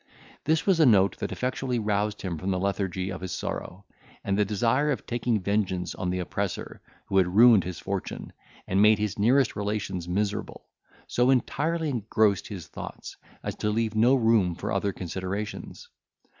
This was a note that effectually roused him from the lethargy of his sorrow; and the desire of taking vengeance on the oppressor, who had ruined his fortune, and made his nearest relations miserable, so entirely engrossed his thoughts, as to leave no room for other considerations.